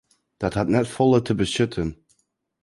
Dat hat net folle te betsjutten.